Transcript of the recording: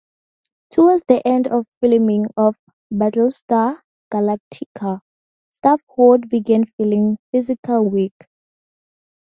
Toward the end of the filming of "Battlestar Galactica", Sackhoff began feeling physically weak.